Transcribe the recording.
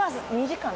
２時間。